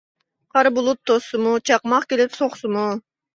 قارا بۇلۇت توسسىمۇ، چاقماق كېلىپ سوقسىمۇ.